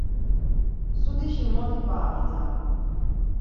Mtsudişi mot ip̌aramitam.